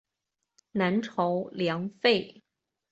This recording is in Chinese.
南朝梁废。